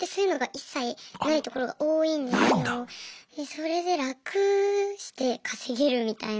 それで楽して稼げるみたいな。